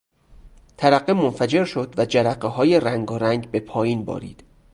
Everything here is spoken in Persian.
ترقه منفجر شد و جرقههای رنگارنگ به پایین بارید.